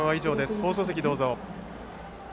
放送席、どうぞ。